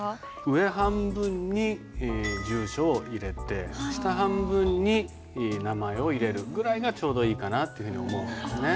上半分に住所を入れて下半分に名前を入れるぐらいがちょうどいいかなというふうに思うんですね。